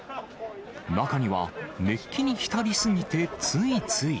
中には、熱気にひたり過ぎてついつい。